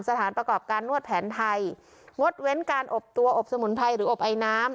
สถานประกอบการนวดแผนไทยงดเว้นการอบตัวอบสมุนไพรหรืออบไอน้ำ